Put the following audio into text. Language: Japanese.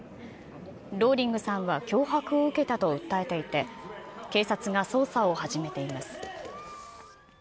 ローリングさんは脅迫を受けたと訴えていて、警察が捜査を始めています。